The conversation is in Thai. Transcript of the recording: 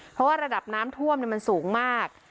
เพราะว่าระดับน้ำท่วมมันสูงมาก